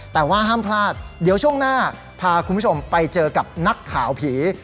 แต่ว่าห้ามพลาดเดี๋ยวช่วงหน้าพาคุณผู้ชมไปเจอกับนักข่าวผี